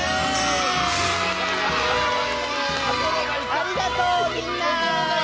ありがとうみんな！